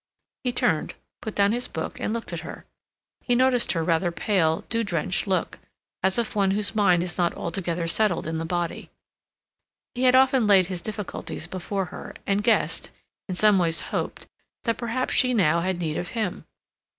He turned, put down his book, and looked at her. He noticed her rather pale, dew drenched look, as of one whose mind is not altogether settled in the body. He had often laid his difficulties before her, and guessed, in some ways hoped, that perhaps she now had need of him.